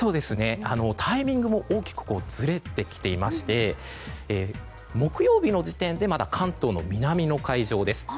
タイミングも大きくずれてきていまして木曜日の時点でまだ関東の南の海上です。